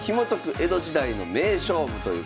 江戸時代の名勝負」ということで。